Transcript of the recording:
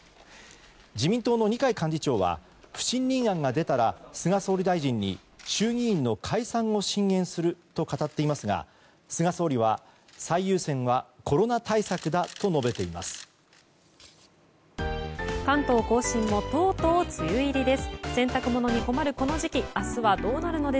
自民党の二階幹事長は不信任案が出たら菅総理大臣に衆議院の解散を進言すると語っていますが菅総理は最優先は関東のお天気です。